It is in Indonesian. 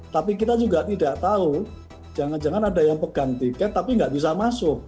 tapi kita juga tidak tahu jangan jangan ada yang pegang tiket tapi nggak bisa masuk